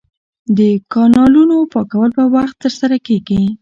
د کانالونو پاکول په وخت ترسره کیږي.